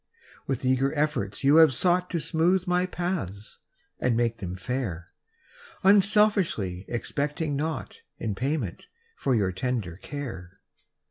% W ITH eager efforts you Have sougkt To smootk my paths and make them fair, Unselfiskly expect 5 mg naugkt In payment for your tender care.